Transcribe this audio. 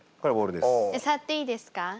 触っていいですか？